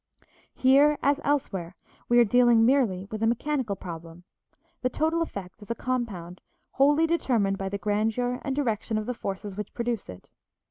Here as elsewhere, we are dealing merely with a mechanical problem: the total effect is a compound wholly determined by the grandeur and direction of the forces which produce it.